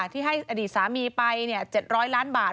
ที่ให้อดีตสามีไป๗๐๐ล้านบาท